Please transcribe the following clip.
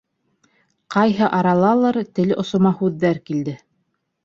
Ҡайһы аралалыр тел осома һүҙҙәр килде: